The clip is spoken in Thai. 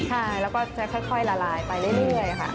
ใช่แล้วก็จะค่อยละลายไปเรื่อยค่ะ